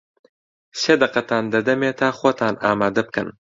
سی دەقەتان دەدەمێ تا خۆتان ئامادە بکەن.